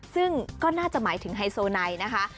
ซึ่งก็น่าจะหมายถึงไฮโซไนนะคะ